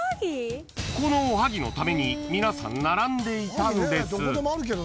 ［このおはぎのために皆さん並んでいたんです］